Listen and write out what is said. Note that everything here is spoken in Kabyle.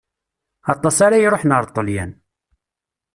Aṭas ara iṛuḥen ar Ṭelyan.